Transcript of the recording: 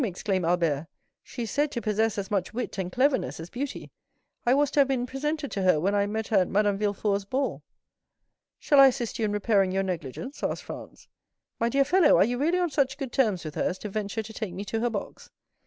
exclaimed Albert; "she is said to possess as much wit and cleverness as beauty. I was to have been presented to her when I met her at Madame Villefort's ball." "Shall I assist you in repairing your negligence?" asked Franz. "My dear fellow, are you really on such good terms with her as to venture to take me to her box?"